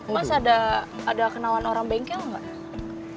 mas ada kenalan orang bengkel gak